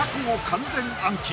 完全暗記！